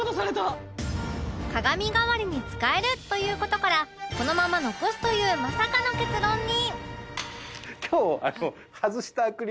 鏡代わりに使えるという事からこのまま残すというまさかの結論に